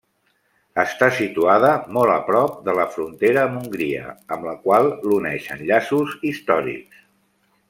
Està situada molt prop de la frontera amb Hongria, amb la qual l'uneixen llaços històrics.